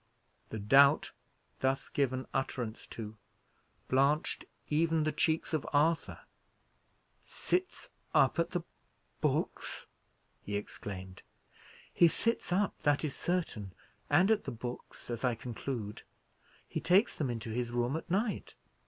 The doubt thus given utterance to, blanched even the cheeks of Arthur. "Sits up at the books!" he exclaimed. "He sits up, that is certain; and at the books, as I conclude. He takes them into his room at night.